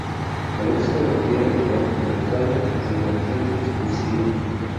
A veces se refiere al patriarcado en su vertiente discursiva.